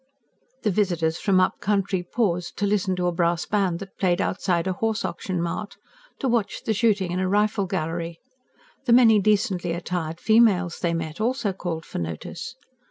The visitors from up country paused to listen to a brass band that played outside a horse auction mart; to watch the shooting in a rifle gallery. The many decently attired females they met also called for notice.